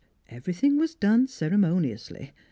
Everything was done ceremoniously.